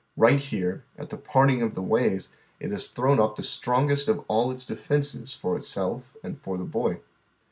Eight here, at the parting of the ways, it has thrown up the strongest of all its defences for itself and for the boy.